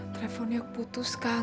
teleponnya keputus kan